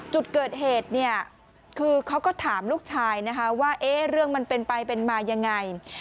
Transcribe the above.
จุดเกิดเหตุเนี่ยคือเขาก็ถามลูกชายนะคะว่าเรื่องมันเป็นไปเป็นมายังไง